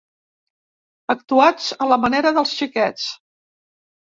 Actuats a la manera dels xiquets.